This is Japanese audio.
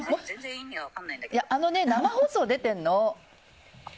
あのね、生放送出てるの。